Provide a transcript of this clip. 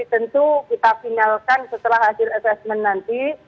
tentu kita finalkan setelah hasil asesmen nanti